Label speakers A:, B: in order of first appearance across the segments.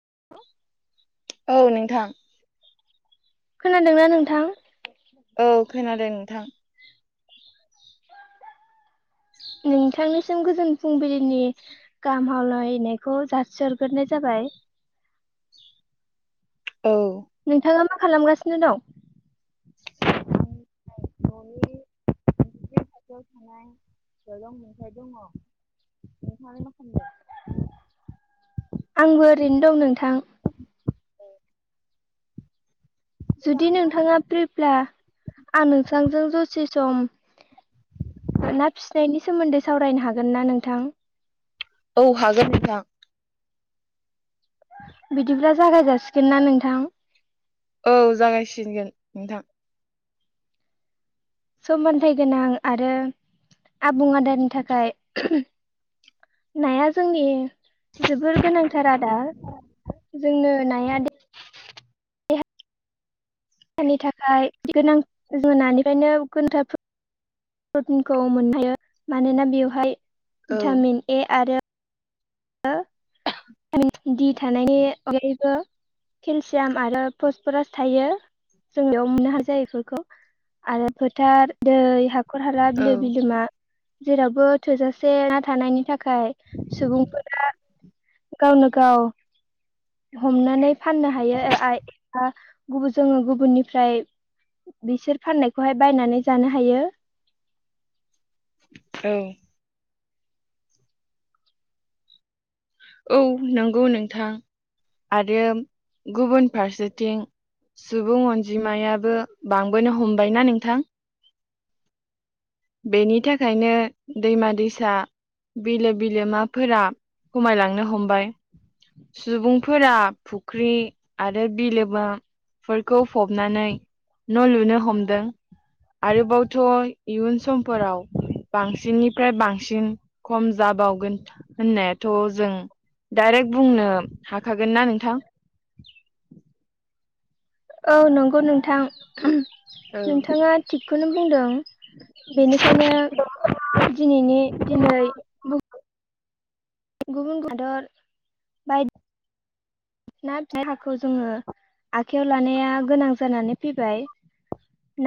A: [inaudible]
B: औ नोंथां
A: खोनादोंना नोंथां
B: औ खोनादों नोंथां
A: [inaudible] नोंथांनिसिम गोजोन फुंबिलिनि गाहाम हामलायनायखौ जासिहरग्रोनाय जाबाय
B: औ न'नि
A: नोंथाङा मा खालामगासिनो दं
B: न'निनि खाथियाव थानाय दरं मोनथायाइ दङ नोंहालाय मा खालामदों
A: आंबो ओरैनो दं नोंथां जुदि
B: मोजाङानो
A: नोंथाङा फ्रिब्ला आं नोंसांजों जसे सम ना फिसिनायनि सोमोन्दै सावरायनो हागोन ना नोंथां
B: औ हागोन नोंथां
A: बिदिब्ला जागाय जासिगोन ना नोंथां
B: औ जागायसिनगोन नोंथां
A: समानथाइ गोनां आरो आबुं आदारनि थाखाय नाया जोंनि जोबोर गोनांथार आदार जोंनो नाया दे हानि थाखाय गोनां जों नानिफ्रायनो [unintelligible] प्रटिनखौ मोननो हायो मानोना बेवहाय
B: औ
A: भिटामिन ए आरो रो बिथामिन दि थानायनि अनगायैबो केलसियाम आरो फसफरास थायो जोंनियाव मोननो हान जायो बेफोरखौ आरो फोथार दै हा नखर हाला
B: औ
A: बिलो बिलोमा जेरावबो थोजासे ना थानायनि थाखाय सुबुं गावनो गाव हमनानै फाननो हायो ओ आय गुबुन जोङो गुबुननिफ्राय बिसोर फाननायखौहाय बायनानै जानो हायो [inaudible]
B: औ औ नंगौ नोंथां आरो गुबुन फारसेथिं सुबुं अनजिमायाबो बांबोनो हमबायना नोंथां बेनि थाखायनो दैमा दैसा बिलो बिलोमाफोरा खमायलांनो हमबाय सुबुंफोरा फुख्रि आरो बिलोमा फोरखौ फबनानै न' लुनो हमदों आरोबावथ इयुन समफोराव बांसिननिफ्राय बांसिन खम जाबावगोन होननाय थ जों डाइरेक्ट बुंनो हाखागोननाा नोंथां
A: [inaudible] औ नंगौ नोंथां
B: औ
A: नोंथाङा थिगखौनो बुंदों बेनिखायनो दिनैनि दिनै गुबुन गुबुन हादर बाय ना फाइहाखौ जोङो आखायाव लानाया गोनां जानानै फैबाय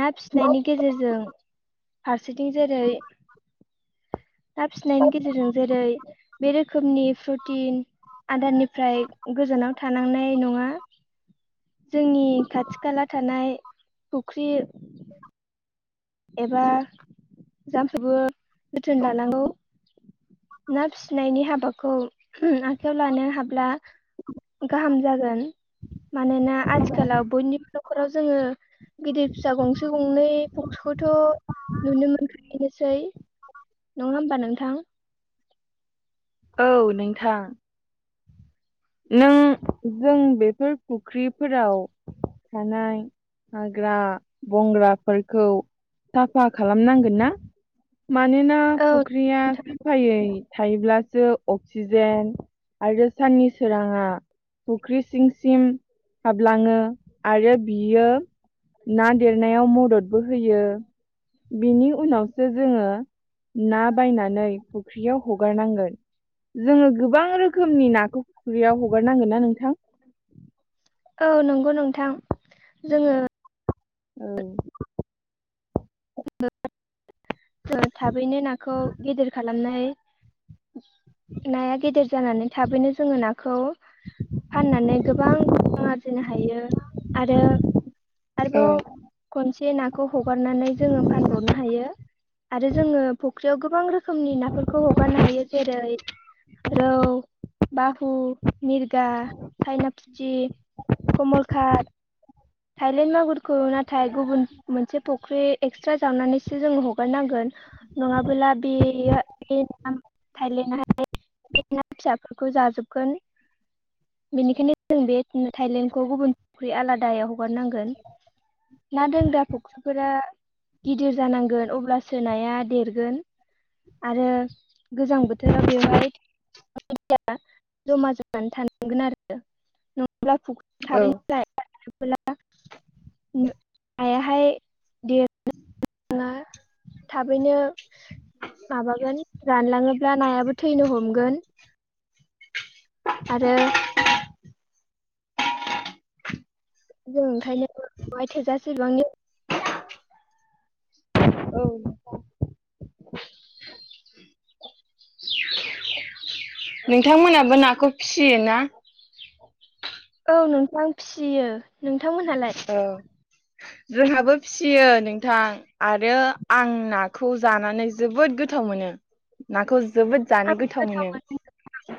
A: ना फिसिनायनि गेजेरजों फारसेथिं जेरै ना फिसिनायनि गेजेरजों जेरै बे रोखोमनि प्रटिन आदारनि फ्राय गोजानाव थानांनाय नङा जोंनि खाथि खाला थानाय फुख्रि
B: [inaudible]
A: एबा जामफ्रोबो जोथोन लानांगौ ना फिसिनायनि हाबा खौ आखायाव लानो हाब्ला गाहाम जागोन। मानोना आथिखालाव बयनिबो न'खराव जोङो। गिदिर फिसा गंसे गंनै फख्रिखौथ' नुनो मोनखायोनोसै नङा होमबा नोंथां
B: औ नोंथां नों जों बेफोर फुख्रिफोराव थानाय हाग्रा बंग्राफोरखौ साफा खालामनांगोन ना? मानोना
A: औ
B: फुख्रिया साफायै थायोब्लासो अक्सिजेन आरो साननि सोरांङा फुख्रि सिंसिम हाबलाङो। आरो बियो ना देरनायाव मददबो होयो। बिनि उनावसो जोंङो। ना बायनानै फुख्रियाव हगारनांगोन जोङो गोबां रोखोमनि नाखौ खुरैयाव हगारनांगोन ना नोंथां
A: औ नंगौ नोंथां जोङो
B: औ
A: [unintelligible] थाबैनो नाखौ गेदेर खालामनाय नाया गेदेर जानानै थाबैनो जोङो नाखौ फाननानै गोबां खरां आरजिनो हायो आरो आरोबाव खनसे नाखौ हगारनानै जोङो फानबावनो हायो। आरो जोङो फुख्रियाव गोबां रोखोमनि नाफोरखौ हगारनो हायो जेरै रौ, बाहु, मिरगा, साइना, फुथि कमलकाट थायलेण्ड मागुरखौ नाथाय गुबुन मोनसे फख्रि एक्सट्रा जावनानैसो जोङो हगारनांगोन नङाबोला बेयो बे ना थाइलेनाहाय [unintelligible] फिसाफोरखौ जाजोबगोन बेनिखायनो जों बे थाइलेण्डखौ गुबुन फुख्रि आलादायाव हगारनांगोन ना दोनग्रा फख्रिफोरा गिदिर जानांगोन अब्लासो नाया देरगोन। आरो गोजां बोथोराव बेवहाय [unintelligible]
B: औ
A: [unintelligible] [unintelligible] ना थाबैनो माबागोन रानलाङोब्ला नायाबो थैनो हमगोन। आरो जों ओंखायनो बहाय थोजासे बिबांनि
B: औ नोंथांमोनाबो नाखौ फिसियोना
A: औ नोंथां फिसियो नोंथांमोनहालाय
B: औ जोंहाबो फिसियो नोंथां आरो आं नाखौ जानानै जोबोद गोथाव गोथाव मोनो नाखौ जोबोद जानो गोथाव मोनो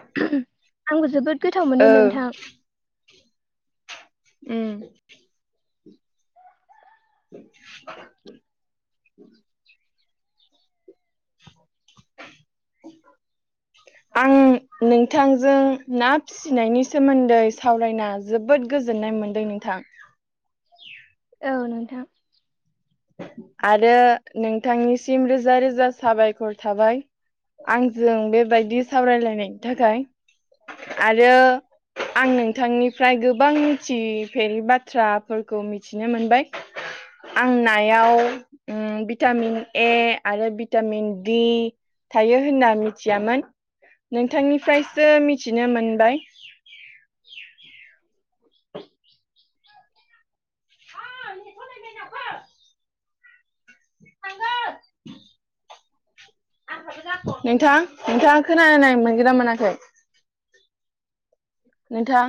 A: मोनो आंबो जोबोद गोथाव
B: औ
A: मोनो नोंथां
B: उम [unintelligible]
A: [inaudible]
B: आं नोंथांजों ना फिसिनायनि सोमोन्दै सावरायना जोबोद गोजोननाय मोनदों नों नोंथां
A: औ नोंथां
B: आरो नोंथांनिसिम रोजा रोजा साबायखर थाबाय। आंजों बेबायदि सावरायलायनायनि थाखाय आरो आं नोंथांनिफ्राय गोबां मिथि फेरै बाथ्राफोरखौ मिथिनो मोनबाय आं नायाव भिटामिन ए आरो भिटामिन दि थायो होनना मिथियामोन। नोंथांनिफ्रायसो मिथिनो मोनबाय।
A: [inaudible]
B: [unintelligible]
A: [inaudible]
B: [unintelligible]
A: [inaudible]
B: नोंथां नोंथाङा खोनानाय मोनगोना मोनाखै। नोंथां।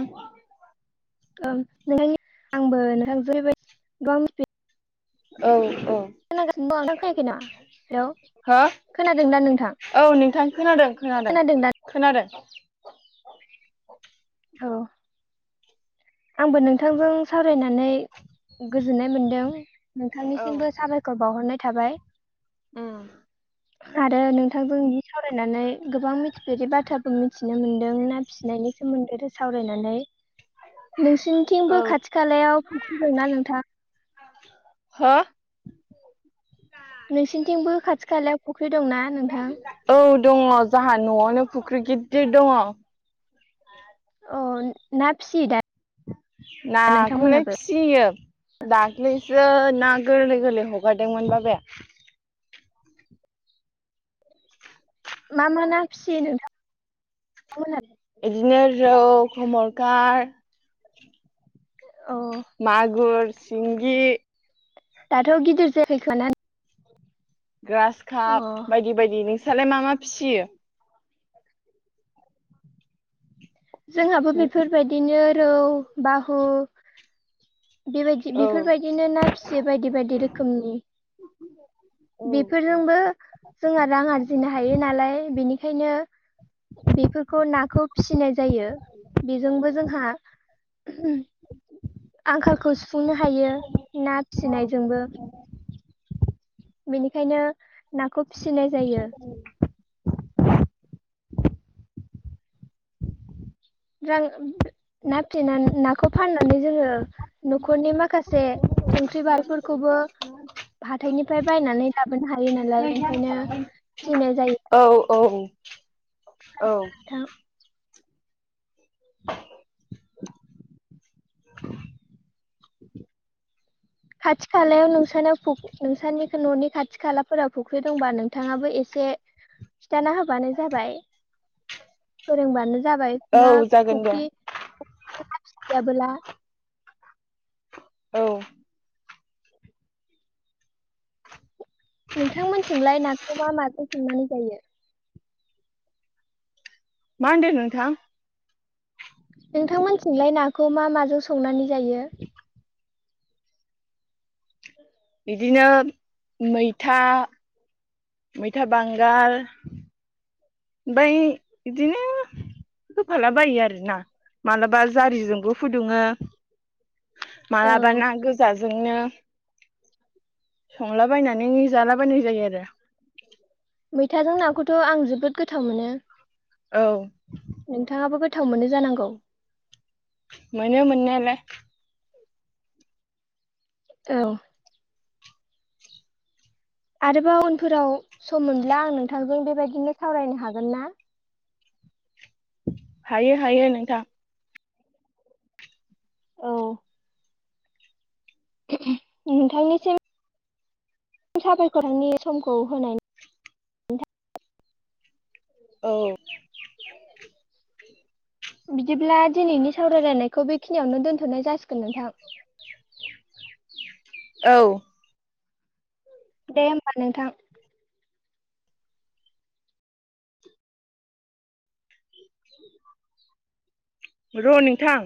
A: नोंथांनि आंबो नोंथां जबायदि गाव [unintelligible]
B: औ औ
A: खोनागासिनो दं नोंथां खोनायाखै ना हेल'
B: हो
A: खोनादों दा नोंथां
B: औ नोंथां खोनादों खोनादों खोनादों
A: औ आंबो नोंथांजों सावरायनानै गोजोननाय मोनदों
B: औ
A: नोंथांनिसिमबो साबायखर बावहरनाय थाबाय
B: उम
A: आरो नोंथांजोंनि सावरायनानै गोबां मिथिफेरि बाथ्राबो मिथिनो मोनदों ना फिसिनाय नि सोमोन्दै सावरायनानै नोंसिनिथिंबो
B: औ
A: खाथि खालायाव फुख्रि दंना नोंथां
B: हो
A: नोंसिोरनिथिंबो खाथि खाला
B: औ दङ जोंहा न'आवनो फुख्रि गिदिर दङ
A: औ ना फिसियो दा
B: नाखौलाय
A: नोंथांमोनाबो
B: फियो दाख्लैसो ना गोरलै गोरलै हगारदोंमोन बाबाया
A: मा मा ना फिसियो नोंथां मोना
B: बिदिनो रौ खमलखार
A: अ
B: मागुर सिंगि
A: दाथ' गिदिर जायाखो ना [unintelligible]
B: ग्रास काप बायदि बायदि नोंसोरलाय मा मा फिसियो
A: जोंहाबो बेफोरबायदिनो रौ बाहु बेबायदि
B: औ
A: बेफोरबायदिनो ना फिसियो बायदि बायदि रोखोमनि
B: औ
A: बेफोरजोंबो जोंहा रां आरजिनो हायो नालाय बेनिखायनो बेफोरखौ नाखौ फिसिनाय जायो बेजोंबो जोंहा आंखालखौ सुफुंनो हायो ना फिसिनायजोंबो बेनिखायनो नाखौ फिसिनाय जायो जां ना फिनानै नाखौ फाननानै जोङो न'खरनि माखासे संख्रि बालफोरखौबो हाथथायनिफ्राय बायनानै लाबोनो हायो नालाय ओंखायनो फिनाय जायो
B: औ औ। औ
A: नोंथां
B: [inaudible] [inaudible]
A: खाथि खालायाव नोंसाव नोंसोरनि न'नि खाथि खालाफोराव फुख्रि दंबा नोंथाङाबो एसे एसे खिथाना होबानो जाबाय फोरोंबानो जाबाय
B: औ
A: ना
B: जागोन दे
A: फुख्रि [unintelligible]
B: औ
A: नोंथांमोनथिमलाय नाखौ मा माजों सोंनानै जायो
B: मा होनदों नोंथां
A: नोंथांमोनथिंलाय नाखौ मा माजों संनानै जायो
B: बिदिनो मैथा मैथा बांगाल ओमबाय इदिनो होफाला बायो आरोना मालाबा जारिजोंबो फुदुङो
A: औ
B: मालाबा ना गोजाजोंनो संलाबायनानै जालाबायनाय जायो आरो
A: मैथाजों नाखौथ' आं जोबोद गोथाव मोनो
B: औ
A: नोंथाङाबो गोथाव मोनो जानांगौ
B: मानो मोननायालाय
A: औ आरोबा उनफोराव सम मोनब्ला आं नोंथांजों बेबायदिनो सावरायनो हागोन ना
B: हायो हायो नोंथां
A: औ नोंथांनिसिम साफायखरनि समखौ होनाय
B: औ
A: बिदिब्ला दिनैनि सावरायलायनायखौ बेखिनियावनो दोनथ'नाय जासिगोन नोंथां [inaudible]
B: औ
A: दे होमबा नोंथां
B: र' नोंथां